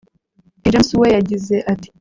King James we yagize ati